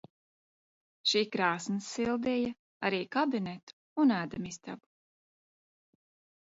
"Šī krāsns sildīja arī "kabinetu" un ēdamistabu."